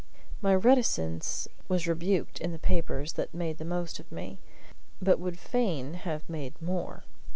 My reticence was rebuked in the papers that made the most of me, but would fain have made more.